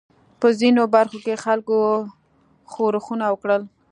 په ځینو برخو کې خلکو ښورښونه وکړل.